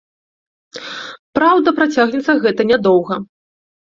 Праўда, працягнецца гэта нядоўга.